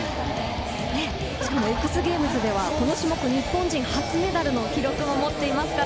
しかもＸＧａｍｅｓではこの種目、日本人初メダルの記録も持っています。